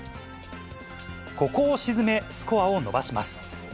ここを沈め、スコアを伸ばします。